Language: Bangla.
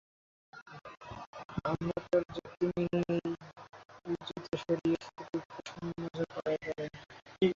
আমরা তার যুক্তি মেনে নিই, জুতা সরিয়ে শুধু পশমি মোজা পায়ে দাঁড়াই।